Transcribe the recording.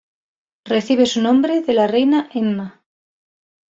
Recibe su nombre de la Reina Emma.